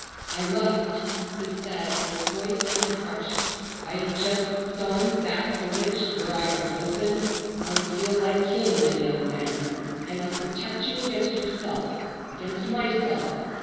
"I must!" he said, and his voice sounded harsh. "I have just done that for which, were I your husband, I would feel like killing any other man. I must protect you against yourself,—against myself.